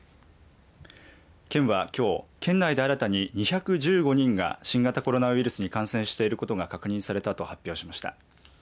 県は、きょう県内で新たに２１５人が新型コロナウイルスに感染していることが確認されたと発表しました。